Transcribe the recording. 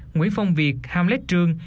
nguyễn phong việt hamlet trương